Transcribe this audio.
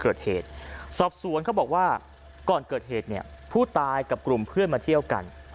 กล่อที่สอบส่วนคนเข้าแบบว่าก่อนเกิดเพราะเหตผู้ตายกับกลุ่มเพื่อนมาเที่ยวกัน